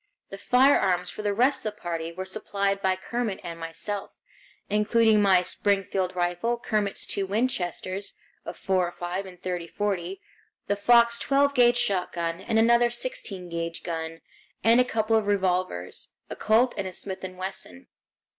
The firearms for the rest of the party were supplied by Kermit and myself, including my Springfield rifle, Kermit's two Winchesters, a 405 and 30 40, the Fox 12 gauge shotgun, and another 16 gauge gun, and a couple of revolvers, a Colt and a Smith & Wesson.